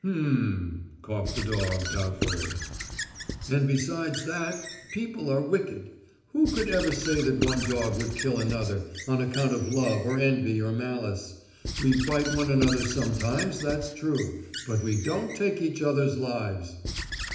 "H'm," coughed the dog doubtfully. "And besides that, people are wicked. Who could ever say that one dog would kill another on account of love or envy or malice? We bite one another sometimes, that's true. But we don't take each other's lives."